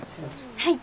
はい。